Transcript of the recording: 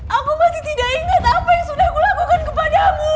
aku masih tidak ingat apa yang sudah kulakukan kepadamu